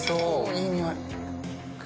いい匂い！